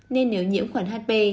nên nếu nhiễm khuẩn hp